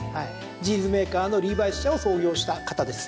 ジーンズメーカーのリーバイス社を創業した方です。